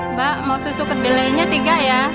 mbak mau susu kedelainya tiga ya